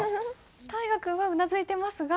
大河君はうなずいてますが。